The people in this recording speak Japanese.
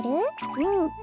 うん。